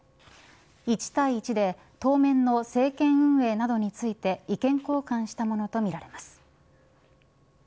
１対１で当面の政権運営などについて意見交換したものとみられます。